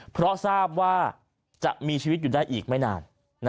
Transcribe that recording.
เพราะทราบว่าจะมีชีวิตอยู่ได้อีกไม่นาน